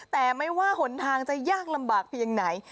แต่ไม่ว่าหนทางจะยากลำบากเพียงไหน